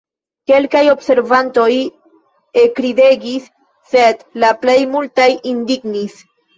Kelkaj observantoj ekridegis, sed la plej multaj indignis.